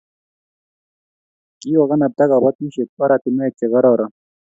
Kikokanabta kobotisiet oratinwek che kororon